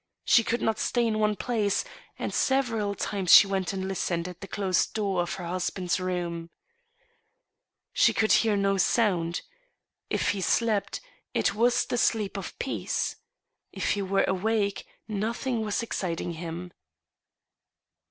She could not stay in one place, and several times she went and listened at the closed door of her husband's room. She could hear no sound. If he slept, it was the sleep of peace. If he were awake, nothing was ex citing him.